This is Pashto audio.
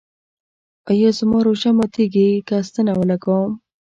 ایا زما روژه ماتیږي که ستنه ولګوم؟